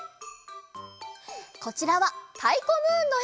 こちらは「たいこムーン」のえ。